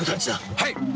はい！